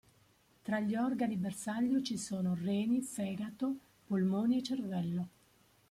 Tra gli organi bersaglio ci sono reni, fegato, polmoni e cervello.